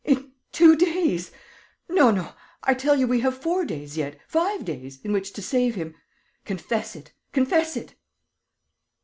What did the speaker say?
In two days! No, no.... I tell you, we have four days yet, five days, in which to save him.... Confess it, confess it!"